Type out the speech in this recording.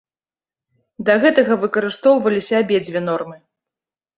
Да гэтага выкарыстоўваліся абедзве нормы.